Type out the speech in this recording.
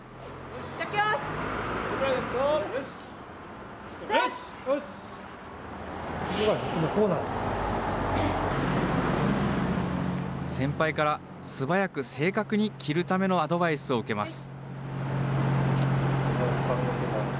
先輩から素早く正確に着るためのアドバイスを受けます。